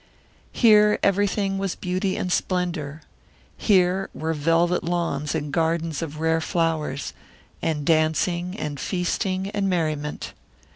Here everything was beauty and splendour. Here were velvet lawns and gardens of rare flowers, and dancing and feasting and merriment.